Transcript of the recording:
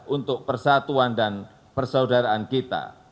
untuk persatuan dan persaudaraan kita